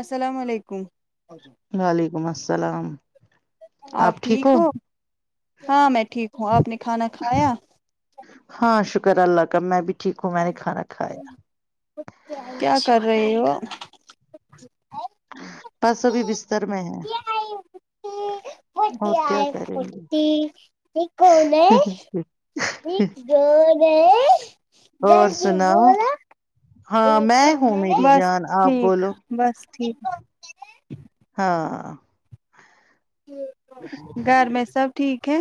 السلام علیکم کو [unintelligible] گال [unintelligible] وعلیکم السلام آپ ٹھیک ہو ہاں میں ٹھیک ہوں آپ نے کھانا کھایا کرا الگا میں بھی [unintelligible] کھانا کھایا کیا کر رہے ہو [unintelligible] بس ابھی بستر میں ہے آئی اور فٹی کیا آئی کریں گے فٹی کون ہے ن گ ج [unintelligible] اور جل ج ب سناؤ ہاں میں ہوں میری بس جان آپ ٹھیک بولو بس [unintelligible] ٹھیک [unintelligible] ہاں [unintelligible] گھر میں سب [unintelligible] ٹھیک ہے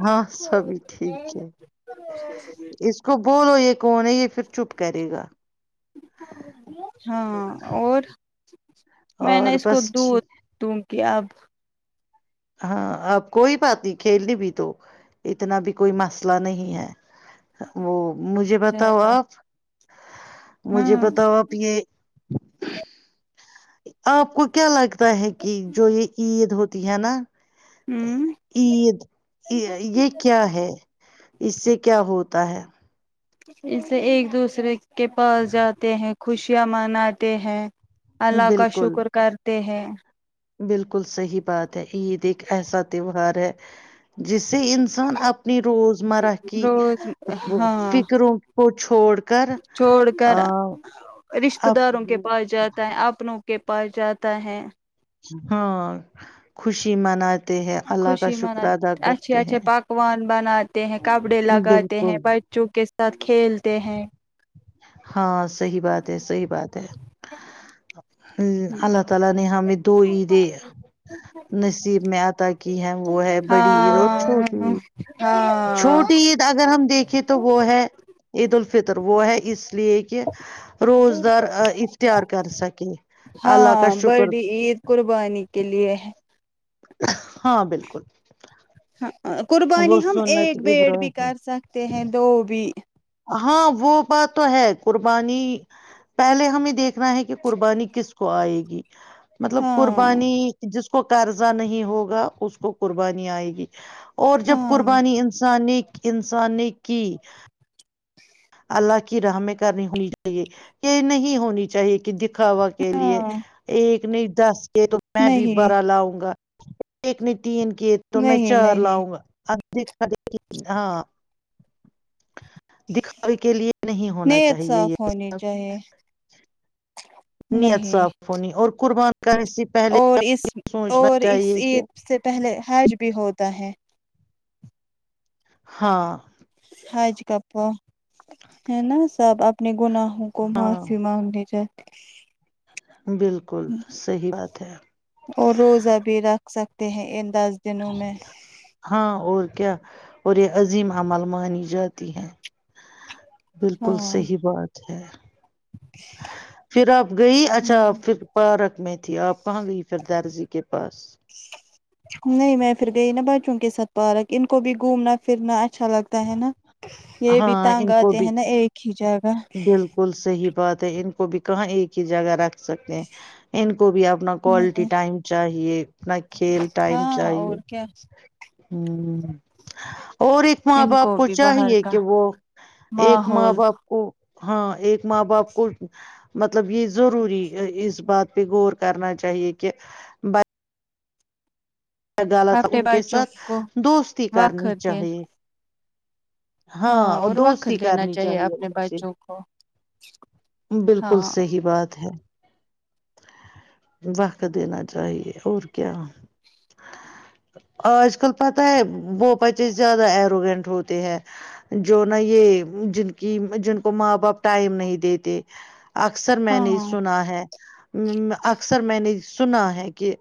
ہاں سبھی ٹھیک ہے اس کو بولو یہ کون ہے یہ پھر چپ کرے گا دکھان م گ ہے [unintelligible] ہاں اور میں نےا اور اس کو بس د ٹھیک۔ دوں کہ اب [inaudible] ہاں اب کوئی بات نہیں کھیلنی بھی تو اتنا بھی کوئی مسئلہ نہیں ہے وہ مجھے بتاؤ زیادہ آپ مجھے ہاں ہوں بتاؤ آپ یہ آپ کو کیا لگا تا ہے کہ جو یہ عید ہوتی تی ہے نا [unintelligible] عید یہ کیا ہے اس سے کیا ہوتا ہے اسے ایک دوسرے کی کے پاس جاتے ہیں خوشیاں مناتے ہیں اللہ کا بالکل شکر کر ت ہیں [unintelligible] بالکل صحیح بات ہے عید ایک ایسا تہوار ہے جس سے انسان اپنی روزمرہ کی روز ہاں فکروں کو چھوڑ کر چھوڑ کر رشتتے اپ داروں کے پاس جاتا ہے اپنوں کے پاس جاتا ہے ہاں خوشی منات کرتے ہیں اللہ کا خوشی شکر ادا کرتے ہیں بنچ [unintelligible] ہیں کپڑے لگاتے ہیں بالکل بچوں کے ساتھ کھیلتے ہیں ہاں صی بات ہے صحی بات ہے ہ ہیں اللہ تعال نے ح ہمد دو عیدیں نصیب میں آتا کی ہیں وہ ہے بڑی عید اور ہاں چھوٹی عید ہاں چھوٹی عید اگر ہم دیکھیں تو وہ ہے عید الفطر وہ ہے اس [unintelligible] اس لیے کہ روزدار اختیار کر سکے اللہ کا ہاں شکر بڑی عید قربانی کے لیے ہاں بالکل ہے قربانی وہ ہم سنت ایک بیڈ بھی ابراہیم کر سکتے ہیں دو بھی ہاں وہ بات تو ہے قربانی پہلے ہمیں دیکھنا ہے کہ قربانی کس کو آئے گی مطلب ہاں قربانی جس اس کو قرضہ نہیں ہوگا اس کو قربانی آئے گی اور جب ہاں قربانی انسان نے انسانی نے کی اللہ کی راہ میں کرنی ہونی چاہیے یہ نہیں ہونی چاہیے کہ د کوا کے لیے ہاں ایک [unintelligible] نہیں دس [unintelligible] یہ تو میں بھی نہیں بڑا لاؤں گا ایک ن [unintelligible] تین کے تو میں نہیں چار نہیں لاؤں گا دا د ہاں [unintelligible] دکھ [inaudible] نیت صاف ہونی سب چاہیے نیت نہیں صاف ہونی اور قربان [unintelligible] پہلے اور اس سوچنا اور اس چاہیے کہ عید سے پہلے حج بھی ہوتا ت ہے [inaudible] ہاں کپ [unintelligible] ہے نا سب اپنے گناہوں کو ہاں معافی مانگنی جات [inaudible] بالکل صحی بات ہے اور روزہ بھی رکھ سکتے ہیں ان دس دنوں میں ہاں اور کیا اور یہ عظیم عمل مانی جاتی ہے بالکل ہاں صحیح بات اھ [unintelligible] پھر آپ گئی اچھا آپ پھر پار میں تھی آپ کہاں گئی پردارزی کے پاس نہیں میں پھر گئی نا بچوں کے ساتھ پارک ان کو بھی گھومنا پھرنا اچھا اچھا لگتا ہے نا یہ بھی ہاں تانگ ان کو آتے بھی ہیں نا ایک ہی جگہ بالکل صحیح بات ہے ان کو بھی کہاں ایک ہی جگہ رکھ سکتے ہیں ان کو بھی اپنا کوالٹی ٹائم چاہیے اپنا کھیل ٹائم ہاں چاہیے اور کیا ہوں [unintelligible] اور ایک ماں ان باپ کو بھی باہر چاہیے کا کہ وہ ایک ماں ماحول باپ کو ہاں ایک ماں باپ کو مطلب یہ ضروری اس بات پہ غور کرنا چاہیے کہ ب کیا غال تھا اپنے ان کے بچوں ساتھ کو دوستی وقت کرنی دے چاہیے ہاں اور وقت دوستی لینا کرنی چاہیے اپنے ان سے بچوں کو [inaudible] بالکل ہاں صحی بات ہے وقت دینا چاہیے اور کیا آج کل پتہ ہے وہ بچے زیادہ اروگینٹ ہوتے ہیں جو نہا یہ جن کی جن کو ماں باپ ٹائم نہیں دیتے اکثر میں نے ہاں سنا ہے ہ [unintelligible] اکثر میں نے سنا ہے کہ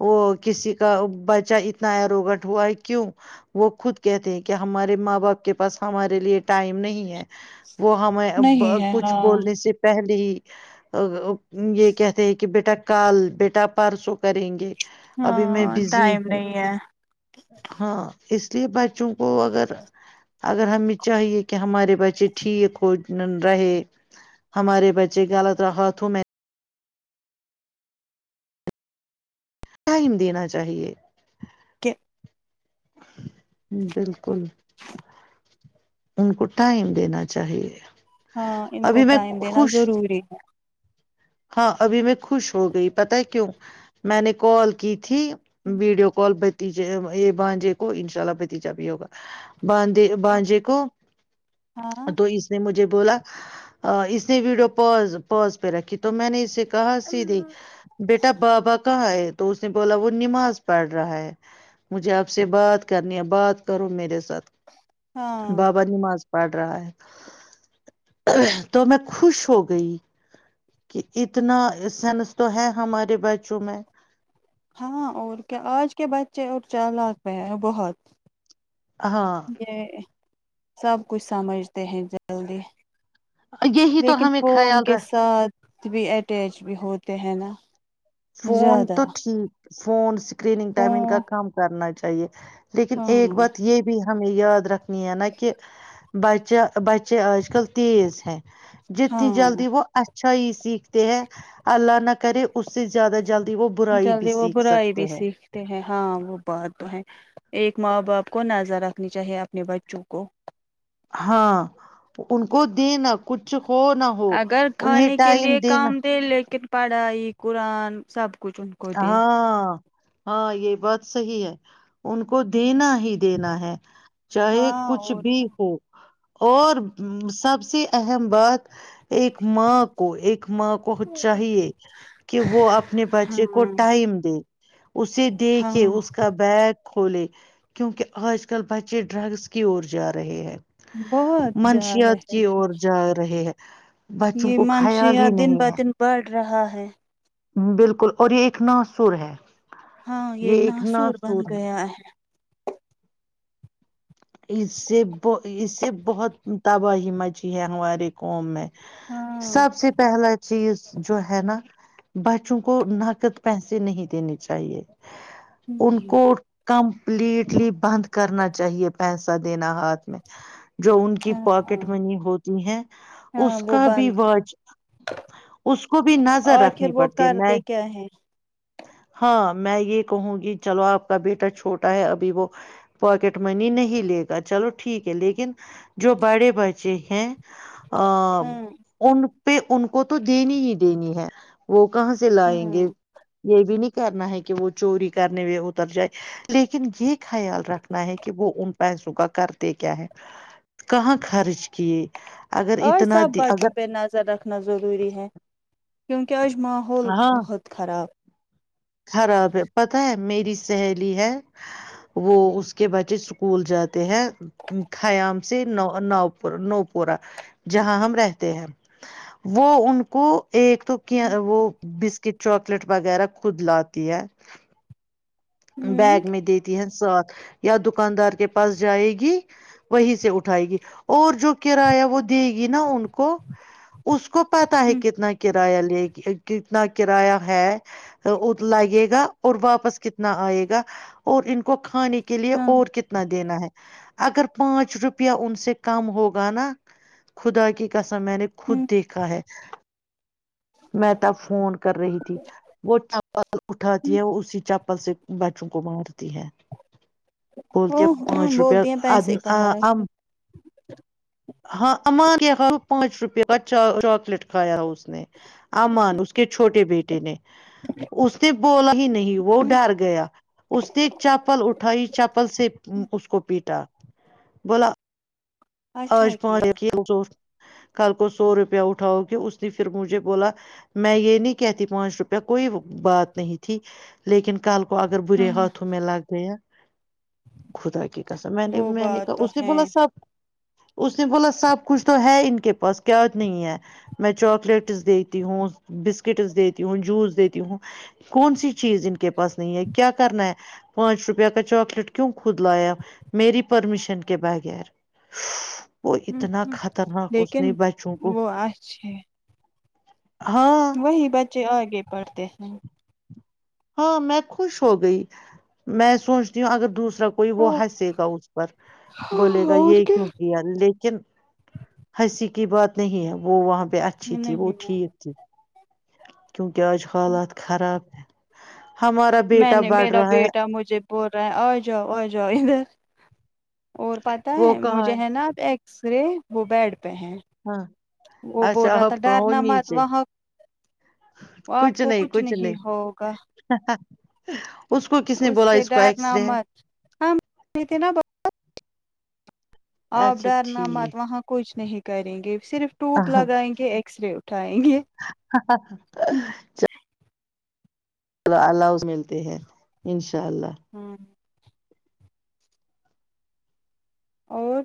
وہ کسی کا بچہ اتنا اروگٹ ہوا ہے کیوں وہ خود کہتے ہیں کہ ہمارے ماں باپ کے پاس ہمارے لیے ٹائم نہیں ہے وہ ہمیں نہیں ہے کچھ ہاں بولنے سے پہلے ج ا یہ کہتے ہیں کہ بیٹا کال بیٹا پرسوں کریں گے ابھی میں ہاں بزی ٹائم ہوں نہیں ہے ہاں اس لیے بچوں کو اگر اگر ہمیں چاہیے کہ ہمارے بچے ٹھیک ہو رہے ہمارے بچے غلط راحتوں میں ٹائم دینا چاہیے کہ بالکل ان کو ٹائم دینا چاہیے ہاں ان کو ابھی میں ٹائم دینا خوش ضروری ہے ہاں ابھی میں خوش ہو گئی پت ہے کیوں میں نے کال کی تھی ویڈیو کال بتیجے یہ بانجے کو ان شاء اللہ بھتیجا بھی ہوگا باندے بانجے کو تو ہاں اس نے مجھے بولا اس نے ویڈیو پ پز پہ رکھی تو میں نے اس سے [unintelligible] کہاں س د بیٹا بابا کہاں ہے تو اس نے بولا وہ نماز پڑھ رہا ہے مجھے آپ سے بات کرنی ہے بات کرو میرے سے ہاں بابا نماز پڑ رہا ہے تو میں خوش ہو گئی کہ اتنا سینس تو ہے ہمارے بچوں میں ہاں اور کیا آج کے بچے اور چ لگ میں ہیں بہت ہاں ج [inaudible] سب کچھ سمجھتے ہیں جلدی یہی تو لیکن ہمیں فون خیال کے ر ساتھ بھی اٹیچ بھی ہوتے ہیں نا فون زیادہ تو ٹھیک فون [unintelligible] اسکرینگ ہ ائمنگ کا کم کرنا ہے چاہیے [unintelligible] لیکن ایک ہاں بات یہ بھی ہے ہمیں یاد رکھن نا کہ بچہ بچے آج کل تیز ہیں جتنی ہاں جلدی وہ اچھا ہی سیکھتے ہیں اللہ نہ کرے اس سے زیادہ [unintelligible] برائی بھی جلدی وہ سیکھ برائی بھی سکتے ہیں سیکھتے ہیں ہاں وہ بات تو ہے ایک ماں باپ کو نظر رکھنی چاہیے اپنے بچوں کو ہاں ان کو دینا کچھ ہو نہ ہو اگر انہیں کھانے کے ٹائم لیے دینا کام دے لیکن پڑھائی قرآن سب [unintelligible] دے ہاں ہاں یہ بات صحی ہے ان کو دینا ہی دینا ہے چاہے ہاں کچھ اور بھی کیا ہو اور سب سب سے اہم بات ایک ماں کو ایک ماں کو چاہیے کہ وہ اپنے بچے کو کو ہاں ٹائم دے اسے دے کے ہاں اس کا بیگ کھولے کیونکہ آج کل بچے ڈرگس کی اور جا رہے ہیں بہت جا رہے منشیات کی ہیں اور جا رہے ہیں بچوں یہ کو خیال مانشیا ہی دن بہ نہیں دن بڑ [unintelligible] رہا ہے [unintelligible] اور یہ ایک ناسور ہے ہاں یہ ناصور بن گیا ہے اس سے اس سے بہت تباہی مچی ہے ہمارے قوم میں ہاں سب سے پہلا چیز جو ہے نا بچوں کو نقد پیسے نہیں دینے چاہیے ان جی کو کم [unintelligible] کمپلیٹلی بند کرنا چاہیے پیسہ دینا ہاتھ میں جو ان کی ہاں پاکٹ ہاں منی ہوتی ہے ہاں اس وہ کا بھی بند واچ اس کو بھی نظر آخر رکھنی وہ پڑتی ہے میں کرتے کیا ہے ہاں میں یہ کہوں گی چلو اپ کا بیٹا چھوٹا ہے ابھی وہ پاکٹ منی نہیں ہی لے گا چلو ٹھیک ہے لیکن جو بڑے بچے ہیں ا ہاں ان [unintelligible] پہ ان کو تو دینی ہی دینی ہے وہ کہاں سے لائیں ہاں گے یہ بھی نہیں کرنا ہے کہ وہ چوری کرنے ہوئے اتر جائے لیکن یہ خیال رکھنا ہے کہ وہ ان کو پیسوں کا کرتے کیا ہے کہاں خرچ کیے اگر اور اتنا سب بچوں اگر پہ نظر رکھنا ضروری ہے کز ماحول ہاں بہت خراب خراب ہے پتا ہے میری سہیلی ہے وہ اس کے بچے اسکول جاتے ہیں خیام سے ن نور نوپورا جہاں ہم رہتے ہیں وہ ان کو ایک تو کیا ہ وہس کہ چواکلیٹ وغیرہ خود لاتی ہے بیگ میں دیتی ساتھ یا دکاندار کے پاس جائے گی وہیں سے اٹھائے گی اور جو کرایہ وہ دے گی نا ان کو اس کو پتا ہے کتنا کتنا کرایہ لے کہ کتنا کرایہ ہے لگے گا اور واپس کتنا آئے گا اور ان کو کھانے کے لیے ہاں اور کتنا دینا ہے اگر پانچ روپیہ ان سے کم ہوگا نا خدا کی کس ا میں نے خود ہ دیکھا ہے میں تب فون کر رہی تھی وہ چپل اٹھاتی ہے اسی چپل پل سے بچوں کو بناتی ہے ا بولتی ہے ہ پانچ بولتی ہیں روپیہ پیسے کہاں رہ ہاں امان کیاا پانچ روپے کا چاکلیٹ کھایا اس نے امان اس کے چھوٹے بیٹے نے اس کے [unintelligible] بولا ہی نہیں وہ ہ ڈر گیا اس نے ایک چاپل اٹھائی چاپل سے اس کو پیٹا بولا اچھا آج پہ ل کیا [unintelligible] کل کو سو روپیہ اٹھاؤ گ اس نے پھر مجھے بولا میں یہ نہیں کہتی پانچ روپیہ کوئی بات نہیں تھی لیکن کل کو کو اگر برے ہاں ہاتھوں میں لگ گیا خدا کی کہسا میں نے وہ میں نے بات کہا تو اس نے ہے بولا صاحب اس نے بولا سب کچھ تو ہے ان کے پاس کیا نہیں ہے میں چاکلیٹس دیتی ہوں بسکٹس دیتی ہوں جوس دیتی ہوں کون سی چیز ان کے پاس نہیں ہے کیا کرنا ہے پانچ روپیہ کا چاکلیٹ کیوں خود لایا میری پرمیشن کے بغیر وہ ہوں اتنا ہ خطرناک اس لیکن نے بچوں کو وہ اچھے ہاں وہی بچے آگے پڑھتے ہیں ہاں میں خوش ہو گئی میں سوچتی ہوں اگر دوسرا کوئی وہ ہنسے گا اس پر بولے گا یہ کیوں کیا لیکن ہنسی کی بات نہیں ہے وہاں پ اچھی تھی وہ نہیں ٹھیک تھی کیونکہ آج حالات خراب ہمارا میں بیٹا نے بڑھ میرا رہا ہے بیٹا مجھے بول رہا ہیں آ جاؤ آ جاؤ ادھر اور پتہ وہ ہے کہاں مجھے ہے نا آپ ایک رے موبائڈ [unintelligible] ہیں ہاں وہ بول اچھا رہا تھا آپ کہاں ڈر ہو ن مات نیچے وہاں آپ کو کچھ نہیں ہوگا ا [unintelligible] اس سے ڈر ن مت ہ نا اپ اچھا ڈر ن مت ٹھیک وہاں کچھ نہیں کریں گے [unintelligible] صرف ٹوپ لگائیں گے ایکس رے اٹھیں گے اللہ ہ الؤ ملتے ہیں ان شاءلہ ہاں [unintelligible] اور